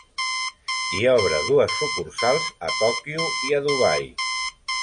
I obre dues sucursals a Tòquio i a Dubai.